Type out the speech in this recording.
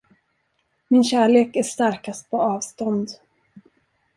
Min kärlek är starkast på avstånd.